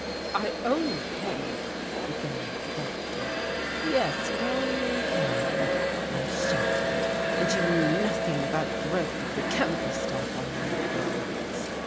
"I only came " began the doctor. "Yes, you only came," I shouted, "and you knew nothing about the work of the Chemical Staff on my formulas.